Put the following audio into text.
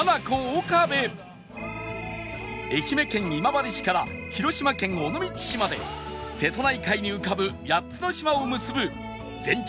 愛媛県今治市から広島県尾道市まで瀬戸内海に浮かぶ８つの島を結ぶ全長